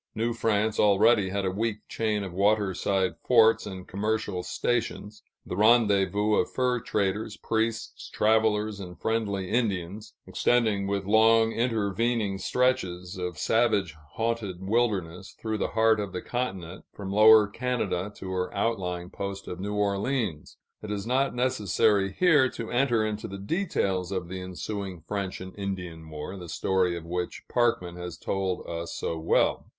New France already had a weak chain of waterside forts and commercial stations, the rendezvous of fur traders, priests, travelers, and friendly Indians, extending, with long intervening stretches of savage haunted wilderness, through the heart of the continent, from Lower Canada to her outlying post of New Orleans. It is not necessary here to enter into the details of the ensuing French and Indian War, the story of which Parkman has told us so well.